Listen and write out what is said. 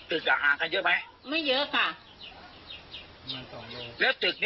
ตึกมันอยู่ติดถนน